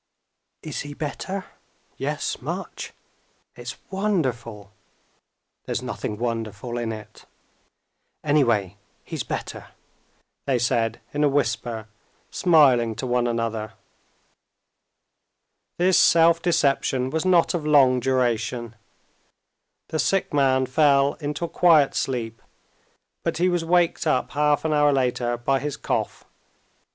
"Is he better?" "Yes, much." "It's wonderful." "There's nothing wonderful in it." "Anyway, he's better," they said in a whisper, smiling to one another. This self deception was not of long duration. The sick man fell into a quiet sleep, but he was waked up half an hour later by his cough.